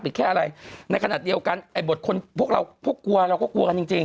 แค่อะไรในขณะเดียวกันไอ้บทคนพวกเราพวกกลัวเราก็กลัวกันจริงจริง